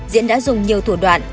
diễn đã dùng nhiều thủ đoạn